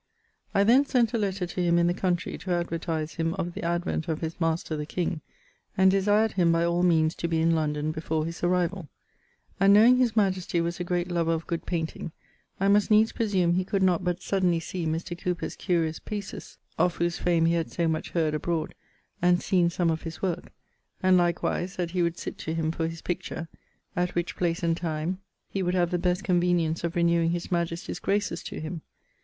I then sent a letter to him in the countrey to advertise him of the Advent of his master the king and desired him by all meanes to be in London before his arrivall; and knowing his majestie was a great lover of good painting I must needs presume he could not but suddenly see Mr. Cowper's curious pieces, of whose fame he had so much heard abroad and seene some of his worke, and likewise that he would sitt to him for his picture, at which place and time he would have the best convenience of renewing his majestie's graces to him.